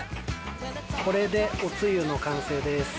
これでおつゆの完成です。